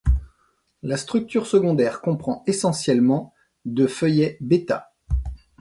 La structure secondaire comprend essentiellement de feuillets β.